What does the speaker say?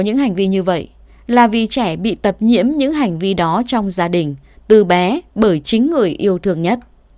những hành vi như vậy là vì trẻ bị tập nhiễm những hành vi đó trong gia đình từ bé bởi chính người yêu thương nhất